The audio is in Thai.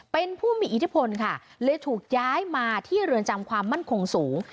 เป็นผู้มีอิทธิพลค่ะเลยถูกย้ายมาที่เรือนจำความมั่นคงสูง